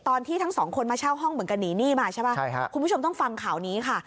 ตอนที่ทั้งสองคนมาเช่าห้องเหมือนกันหนีหนี้มาใช่ไหมใช่ครับคุณผู้ชมต้องฟังข่าวนี้ค่ะ